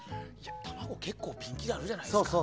卵、結構ピンキリあるじゃないですか。